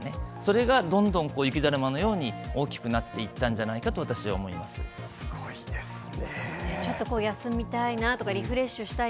それがどんどん雪だるまのように大きくなっていったんじゃないかとすごいですね。